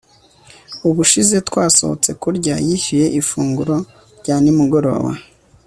ubushize twasohotse kurya, yishyuye ifunguro rya nimugoroba